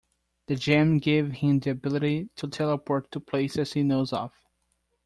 The gem gave him the ability to teleport to places he knows of.